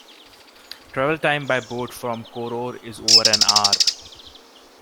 Travel time by boat from Koror is over an hour.